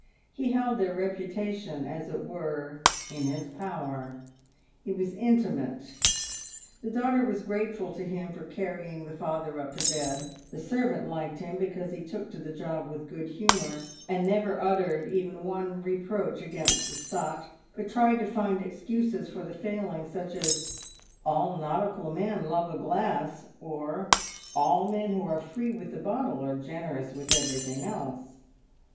He held their reputation, as it were, in .his power. He was intimate. The daughter was grateful to him for carrying the father up to bed ; the servant liked him because he took to the job with good humour and never uttered even one reproach against the sot, but tried to find excuses for the failing, such as —" All nautical men love a glass," or, " All men who are free with the bottle are generous with everything else."